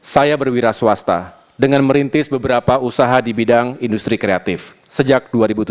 saya berwira swasta dengan merintis beberapa usaha di bidang industri kreatif sejak dua ribu tujuh belas